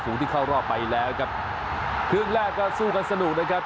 ที่เข้ารอบไปแล้วครับครึ่งแรกก็สู้กันสนุกนะครับ